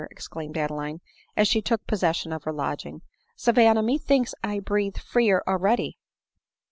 exclaimed Adeline as she took possession of her lodging. " Savanna, methinks I breathe freer already